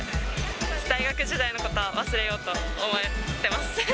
もう大学時代のことは忘れようと思ってます。